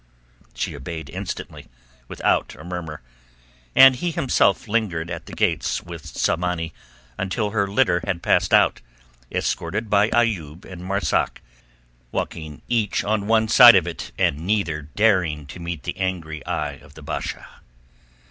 She obeyed him instantly, without a murmur; and he himself lingered at the gates with Tsamanni until her litter had passed out, escorted by Ayoub and Marzak walking each on one side of it and neither daring to meet the angry eye of the Basha.